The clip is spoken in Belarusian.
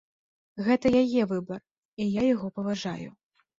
Гэта яе выбар і я яго паважаю.